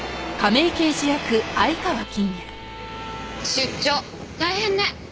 出張大変ね。